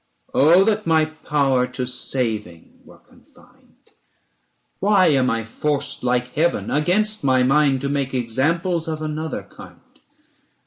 Oh that my power to saving were confined ! Why am I forced, like Heaven, against my mind 1000 /To make examples of another kind?